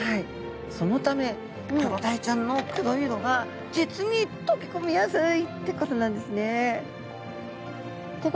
そのためクロダイちゃんの黒い色が実に溶け込みやすいってことなんですね。